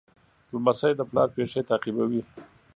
لمسی د پلار پېښې تعقیبوي.